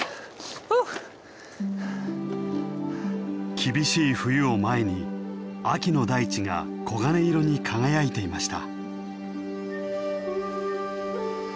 厳しい冬を前に秋の大地が黄金色に輝いていました。